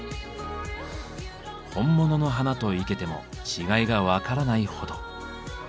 本物の花と生けても違いが分からないほど。